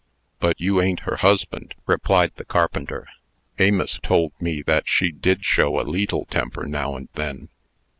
"But you a'n't her husband," replied the carpenter. "Amos told me that she did show a leetle temper now and then.